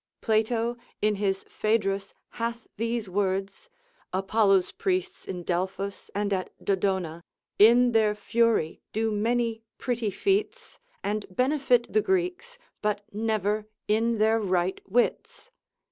Plato in his Phaedrus hath these words, Apollo's priests in Delphos, and at Dodona, in their fury do many pretty feats, and benefit the Greeks, but never in their right wits.